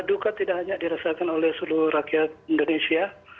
duka tidak hanya dirasakan oleh seluruh rakyat indonesia